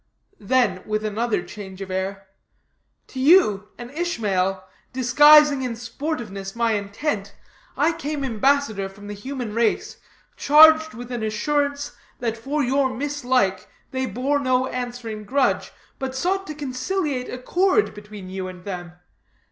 Then with another change of air: "To you, an Ishmael, disguising in sportiveness my intent, I came ambassador from the human race, charged with the assurance that for your mislike they bore no answering grudge, but sought to conciliate accord between you and them.